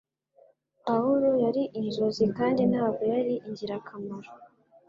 Pawulo yari inzozi kandi ntabwo yari ingirakamaro